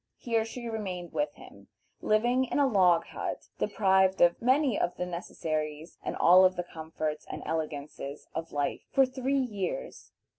Here she remained with him, living in a log hut, deprived of many of the necessaries and all of the comforts and elegances of life, for three years.